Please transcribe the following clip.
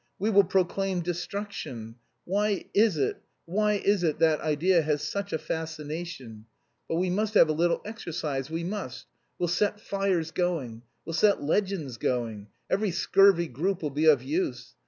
We will proclaim destruction.... Why is it, why is it that idea has such a fascination. But we must have a little exercise; we must. We'll set fires going.... We'll set legends going. Every scurvy 'group' will be of use.